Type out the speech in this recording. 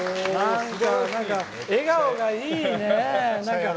笑顔がいいね！